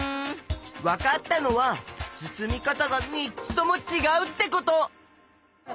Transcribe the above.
わかったのは進み方が３つともちがうってこと。